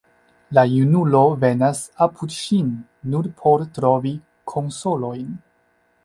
La junulo venas apud ŝin nur por trovi konsolojn.